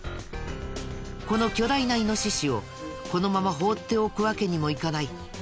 この巨大なイノシシをこのまま放っておくわけにもいかない。